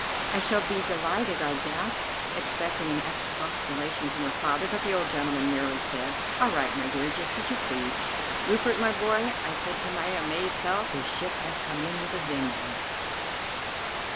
"I shall be delighted," I gasped, expecting an expostulation from her father; but the old gentleman merely said: "All right, my dear; just as you please." "Rupert, my boy!" I said to my amazed self; "your ship has come in with a vengeance."